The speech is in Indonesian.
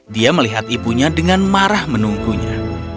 dia melihat ibunya dengan marah menunggunya